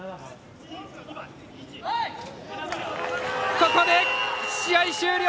ここで試合終了！